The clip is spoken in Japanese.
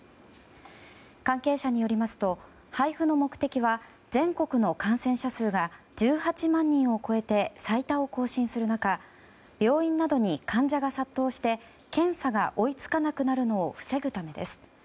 関係者によりますと配布の目的は全国の感染者数が１８万人を超えて最多を更新する中病院などに患者が殺到して検査が追い付かなくなるのを防ぐためです。